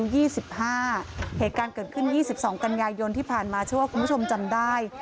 เหตุการณ์เกิดขึ้น๒๒กันยายนที่ผ่านมาเชื่อว่าคุณผู้ชมจำได้